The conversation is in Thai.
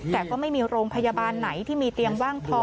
แต่ก็ไม่มีโรงพยาบาลไหนที่มีเตียงว่างพอ